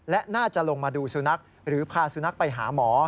และน่าจะลงมาดูสุนัขหรือพาสุนัขไปหาหมอ